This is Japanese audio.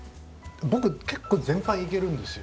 僕結構全般いけるんですよ。